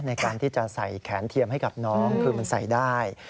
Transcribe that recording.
ในการที่จะใส่แขนเทียมให้กับน้องคือมันใส่ได้